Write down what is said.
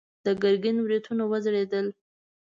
د ګرګين برېتونه وځړېدل.